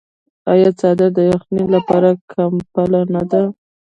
آیا څادر د یخنۍ لپاره کمپله نه ده؟